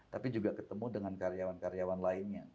tapi juga ketemu dengan karyawan karyawan lainnya